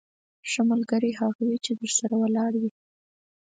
ښه ملګری هغه وي چې درسره ولاړ وي.